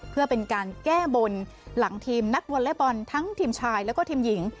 เพื่อเป็นการแก้บนหลังทีมนักวอเล็กบอลทั้งทีมชายแล้วก็ทีมหญิง